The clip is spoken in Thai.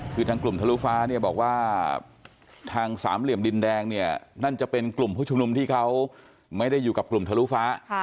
คือทางกลุ่มทะลุฟ้าเนี่ยบอกว่าทางสามเหลี่ยมดินแดงเนี่ยนั่นจะเป็นกลุ่มผู้ชุมนุมที่เขาไม่ได้อยู่กับกลุ่มทะลุฟ้า